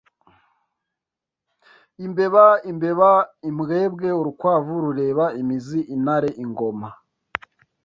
Imbeba, imbeba, imbwebwe, urukwavu rureba imizi; intare, ingoma ,